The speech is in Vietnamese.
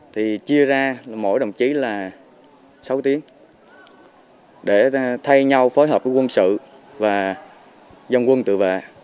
thì chia ra mỗi đồng chí là sáu tiếng để thay nhau phối hợp với quân sự và dân quân tự vệ